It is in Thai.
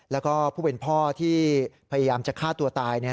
แล้วก็ผู้เป็นพ่อที่พยายามจะฆ่าตัวตาย